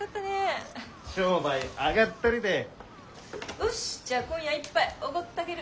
よしじゃあ今夜一杯おごってあげる。